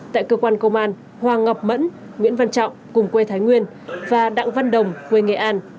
tại cơ quan công an hoàng ngọc mẫn nguyễn văn trọng cùng quê thái nguyên và đặng văn đồng quê nghệ an